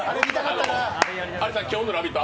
アリスさん、今日の「ラヴィット！」